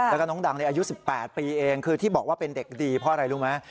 แล้วก็น้องดังในอายุ๑๘ปีเองคือที่บอกว่าเป็นเด็กดีเพราะอะไรรู้ไหม